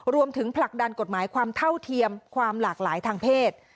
ผลักดันกฎหมายความเท่าเทียมความหลากหลายทางเพศ